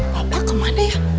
bapak kemana ya